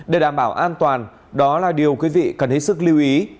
để đảm bảo an toàn đó là điều quý vị cần hết sức lưu ý